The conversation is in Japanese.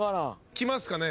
きますかね？